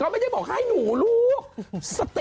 เราไม่ได้บอกให้หนูลูกสติค่ะสติ